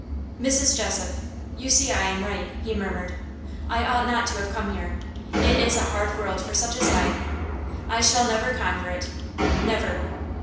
"Mrs. Jessop, you see I am right," he murmured. "I ought not to have come here. It is a hard world for such as I. I shall never conquer it never."